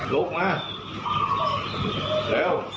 พูดมาได้หรอ